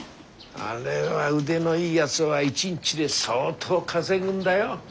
あれは腕のいいやづは一日で相当稼ぐんだよ。